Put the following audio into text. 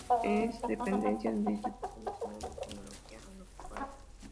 Es dependiente del Instituto Nacional de Tecnología Agropecuaria.